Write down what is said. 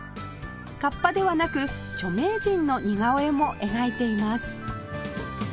河童ではなく著名人の似顔絵も描いています